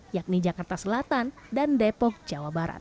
yakni jakarta selatan dan depok jawa barat